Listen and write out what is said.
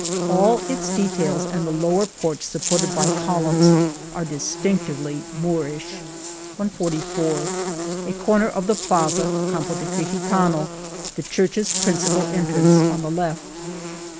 All its details and the lower porch, supported by columns, are distinctively Moorish, 14J A corner of the plaza, Campo de Crijitano, the churches principal entrance on the left